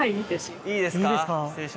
いいですよ。